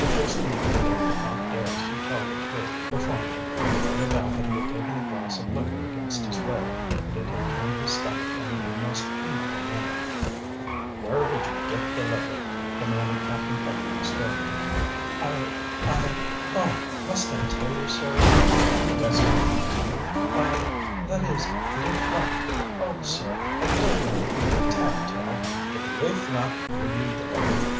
At first the young cadet did not dare to tell the truth, but finally he blurted out that he had taken a glass of liquor against his will and it had turned his stomach in a most painful manner. "Where did you get the liquor?" demanded Captain Putnam sternly. "I I oh, must I tell you, sir?" "Yes, Harry." "I that is, Lew Flapp Oh, sir, I don't want to be a tattle tale." "Did Lew Flapp give you the liquor?